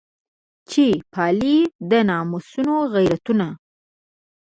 چې پالي د ناموسونو غیرتونه.